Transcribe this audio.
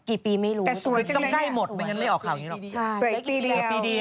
ก็๓หรือ๕นะครับ